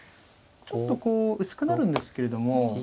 ちょっとこう薄くなるんですけれども。